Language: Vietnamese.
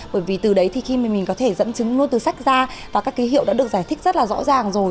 bởi vì từ đấy thì khi mình có thể dẫn chứng luôn từ sách ra và các ký hiệu đã được giải thích rất là rõ ràng rồi